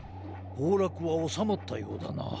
ほうらくはおさまったようだな。